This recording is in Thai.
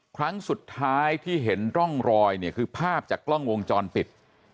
ครั้งสุดท้ายที่เห็นร่องรอยเนี่ยคือภาพจากกล้องวงจรปิด